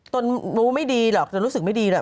ตนรู้ไม่ดีหรอกตนรู้สึกไม่ดีแหละ